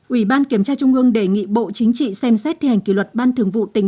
ủy ban kiểm tra trung ương đề nghị bộ chính trị xem xét thi hành kỷ luật ban thường vụ tỉnh